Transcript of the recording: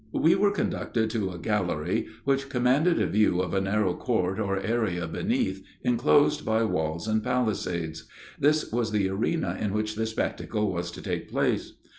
We were conducted to a gallery which commanded a view of a narrow court or area beneath, inclosed by walls and palisades. This was the arena in which the spectacle was to take place.